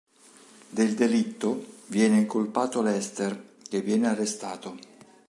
Del delitto viene incolpato Lester che viene arrestato.